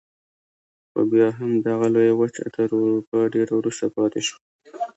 خو بیا هم دغه لویه وچه تر اروپا ډېره وروسته پاتې شوه.